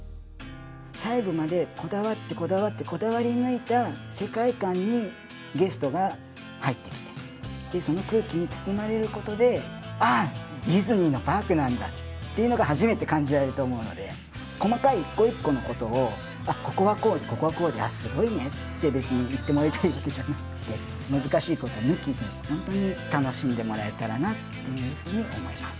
細部までこだわってこだわってこだわり抜いた世界観にゲストが入ってきてでその空気に包まれることで「あっディズニーのパークなんだ！」っていうのが初めて感じられると思うので細かい一個一個のことを「あっここはこうでここはこうであっすごいね」って別に言ってもらいたいわけじゃなくて難しいことは抜きにホントに楽しんでもらえたらなっていうふうに思います